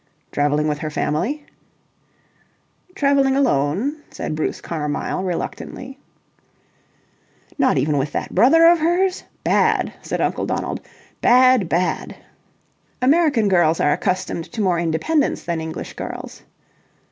"Travelling with her family?" "Travelling alone," said Bruce Carmyle, reluctantly. "Not even with that brother of hers? Bad!" said Uncle Donald. "Bad, bad!" "American girls are accustomed to more independence than English girls."